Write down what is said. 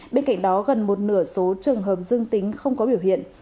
bên cạnh đó gần một nửa số trường hợp dương tính không có biểu hiện